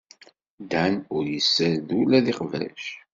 Dan ur yessared ula d iqbac.